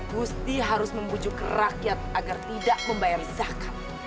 gusti harus membujuk rakyat agar tidak membayar zakat